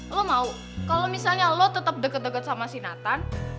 lo mau kalo misalnya lo tetep deket deket sama si nathan